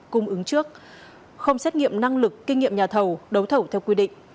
cung ứng trước không xét nghiệm năng lực kinh nghiệm nhà thầu đấu thầu theo quy định